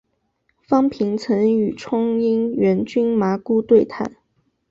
方平曾与冲应元君麻姑对谈。